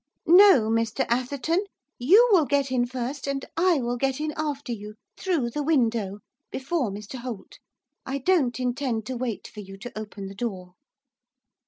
'No, Mr Atherton; you will get in first, and I will get in after you, through the window, before Mr Holt. I don't intend to wait for you to open the door.